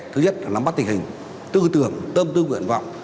thứ nhất là nắm bắt tình hình tư tưởng tâm tư nguyện vọng